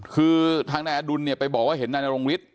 คือทางนายอดุลไปบอกว่าเห็นนายนโรงวิทย์